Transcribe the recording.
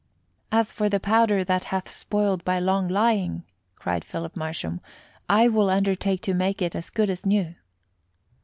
"As for the powder that hath spoiled by long lying," cried Philip Marsham, "I will undertake to make it as good as new."